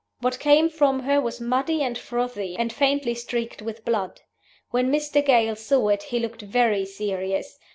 What came from her was muddy and frothy, and faintly streaked with blood. When Mr. Gale saw it he looked very serious.